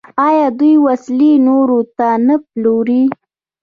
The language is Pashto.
آیا دوی وسلې نورو ته نه پلوري؟